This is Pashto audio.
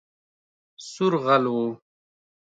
سور غل وو